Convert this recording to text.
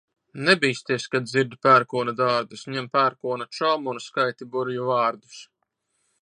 Nebīsties, kad dzirdi pērkona dārdus, ņem pērkona čomu un skaiti burvju vārdus.